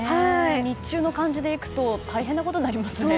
日中の感じでいくと大変なことになりますね。